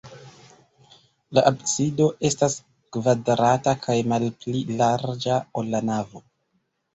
La absido estas kvadrata kaj malpli larĝa, ol la navo.